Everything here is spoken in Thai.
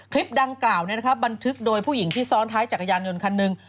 คลิปดังกล่าวบันทึกโดยผู้หญิงที่ซ้อนท้ายจักรยานยนต์คันหนึ่ง